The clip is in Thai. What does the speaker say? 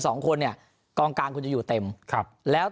สองคนเนี่ยกองกลางคุณจะอยู่เต็มครับแล้ว